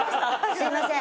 すみません。